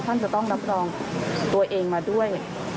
ท่านจะต้องรับรองตัวเองมาด้วย